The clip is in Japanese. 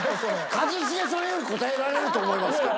一茂さんより答えられると思いますけど。